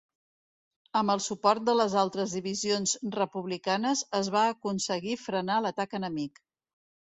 Amb el suport de les altres divisions republicanes, es va aconseguir frenar l'atac enemic.